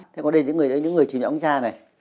thế còn đây là những người chửi mẹ ông cha này